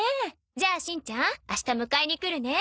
じゃあしんちゃん明日迎えに来るね。